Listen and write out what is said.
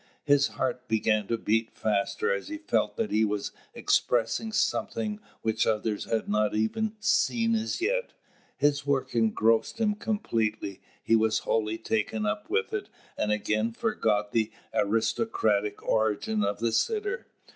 His heart began to beat faster as he felt that he was expressing something which others had not even seen as yet. His work engrossed him completely: he was wholly taken up with it, and again forgot the aristocratic origin of the sitter.